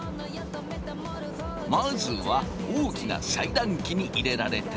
まずは大きな裁断機に入れられて。